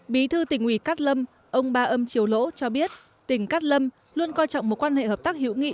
bí thư tình ủy cắt lâm ông ba âm triều lỗ cho biết tình cắt lâm luôn coi trọng một quan hệ hợp tác hữu nghị